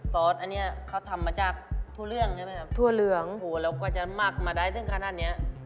ซอสอันเนี้ยเขาทำมาจากทั่วเรืองใช่ไหมครับทั่วเรืองทั่วเรืองแล้วกว่าจะหมักมาได้ซึ่งขนาดเนี้ย